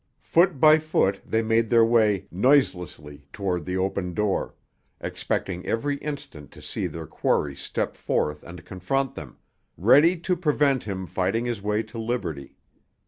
Foot by foot they made their way noiselessly toward the open door, expecting every instant to see their quarry step forth and confront them, ready to prevent him fighting his way to liberty.